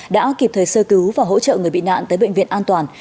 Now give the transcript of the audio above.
đã kịp thời sơ cứu và hỗ trợ người bị nạn tới bệnh viện an toàn